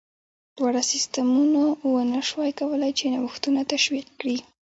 دواړو سیستمونو ونه شوای کولای چې نوښتونه تشویق کړي.